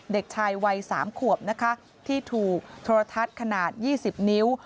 เด็กชายวัย๓ขวบนะคะที่ถูกโทรทัศน์ขนาด๒๐นิ้ว